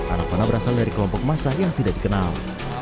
anak panah berasal dari kelompok massa yang tidak dikenal